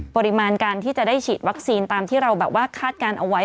ปริมาณการที่จะได้ฉีดวัคซีนตามที่เราแบบว่าคาดการณ์เอาไว้